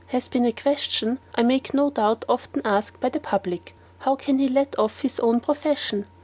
has been a question, I make no doubt, often asked by the public. How can he let off his own profession?